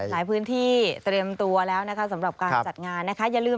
หลายพื้นที่เตรียมตัวแล้วสำหรับการจัดงานนะคะ